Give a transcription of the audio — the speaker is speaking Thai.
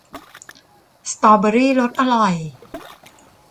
สตรอเบอร์รี่รสอร่อย !